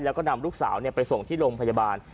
แล้วก็นำลูกสาวไปส่งที่โรงพยาบาล